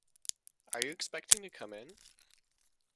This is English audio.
Are you expecting to come in?